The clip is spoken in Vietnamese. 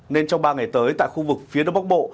nên trong ba ngày tới tại khu vực phía đông bắc bộ